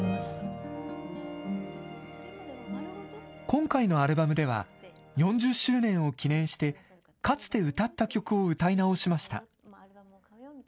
今回のアルバムでは、４０周年を記念して、かつて歌った曲を歌い直しました。